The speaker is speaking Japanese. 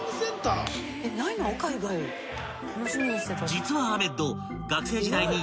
［実はアメッド］